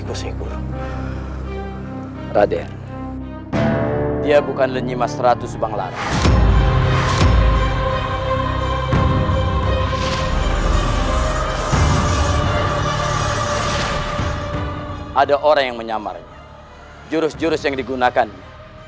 kalau aku aku akan membuatmu berlutut di depan kakinya